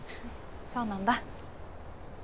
そうなんだ。